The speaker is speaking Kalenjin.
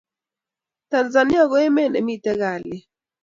Tanzania ko met ne miten kaliet